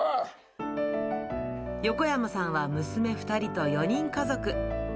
横山さんは娘２人と４人家族。